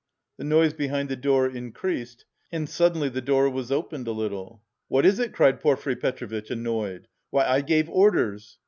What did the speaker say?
The noise behind the door increased, and suddenly the door was opened a little. "What is it?" cried Porfiry Petrovitch, annoyed. "Why, I gave orders..."